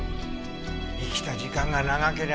生きた時間が長けりゃ